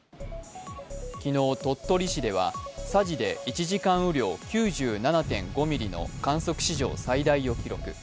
昨日、鳥取市では佐治で１時間雨量９７．５ミリの観測史上最大を記録。